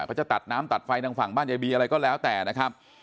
เขาจะตัดน้ำตัดไฟทางฝั่งบ้านยายบีอะไรก็แล้วแต่นะครับ